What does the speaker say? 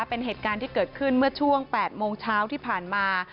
เป็นเหตุการณ์ที่เกิดขึ้นเมื่อช่วง๘โมงเช้าที่ผ่านมา